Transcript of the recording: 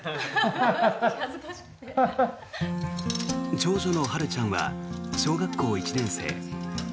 長女の遥ちゃんは小学校１年生。